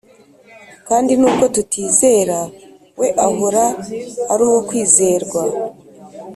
kandi nubwo tutizera, we ahora ari uwo kwizerwa,